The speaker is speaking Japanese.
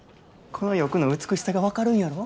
この翼の美しさが分かるんやろ。